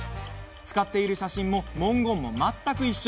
使っている写真も文言も全く一緒。